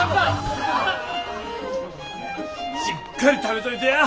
しっかり食べといてや。